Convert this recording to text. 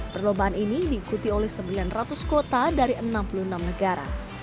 perlombaan ini diikuti oleh sembilan ratus kota dari enam puluh enam negara